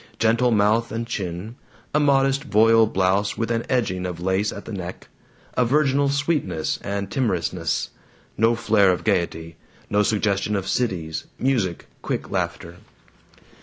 Gentle mouth and chin. A modest voile blouse with an edging of lace at the neck. A virginal sweetness and timorousness no flare of gaiety, no suggestion of cities, music, quick laughter.